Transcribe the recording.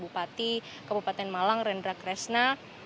bupati kabupaten malang rendra kresna